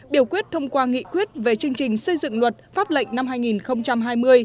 biểu quyết thông qua nghị quyết về chương trình xây dựng luật pháp lệnh năm hai nghìn hai mươi